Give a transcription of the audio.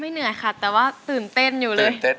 เหนื่อยค่ะแต่ว่าตื่นเต้นอยู่เลย